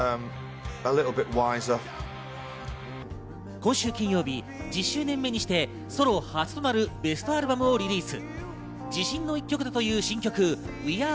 今週金曜日、１０周年目にしてソロ初となるベストアルバムをリリース。